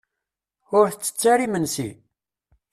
Ur ttett ara imensi?